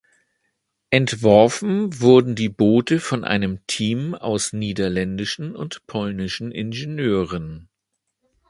Entworfen wurden die Boote von einem Team aus niederländischen und polnischen Ingenieuren.